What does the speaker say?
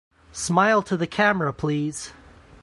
Smile to the camera please!